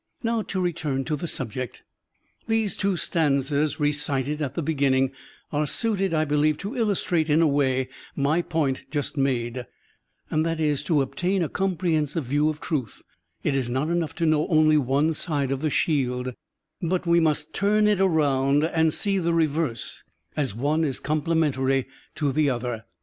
Now to return to the subject. These two stanzas recited at the beginning are suited, I believe, to illustrate in a way my point just made; that is, to obtain a comprehensive view of truth it is not enough to know only one side of the shield, but we must turn it around and see the reverse, as one is complementary to the other.